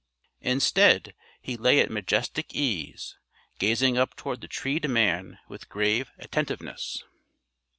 Instead, he lay at majestic ease, gazing up toward the treed man with grave attentiveness.